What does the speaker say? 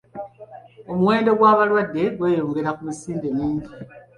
Omuwendo gw'abalwadde gweyongerera ku misinde mingi.